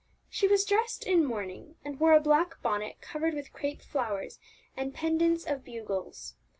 She was dressed in mourning, and wore a black bonnet covered with crape flowers and pendants of bugles.